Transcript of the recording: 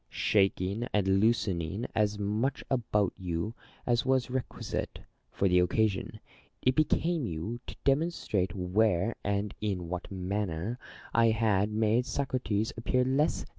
Shaking and loosening as much about you as was requisite for the occasion, it became you to demonstrate where and in what manner I had made Socrates appear less l8o IMA GIN A R Y CONVERSA TIONS.